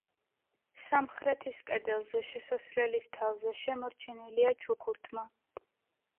სამხრეთის კედელზე, შესასვლელის თავზე შემორჩენილია ჩუქურთმა.